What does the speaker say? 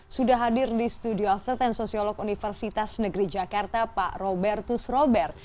sudah hadir di studio after sepuluh sosiolog universitas negeri jakarta pak robertus robert